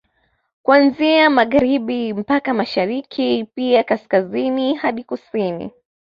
Kuanzia Magharibi mpaka Mashariki pia Kaskazini hadi Kusini